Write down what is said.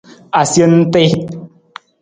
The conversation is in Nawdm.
Asentii.